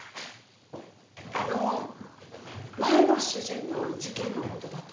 あの前の主人の事件の事だとか。